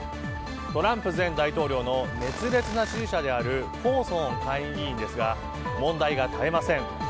トランプ前大統領の熱烈な支持者であるコーソーン下院議員ですが問題が絶えません。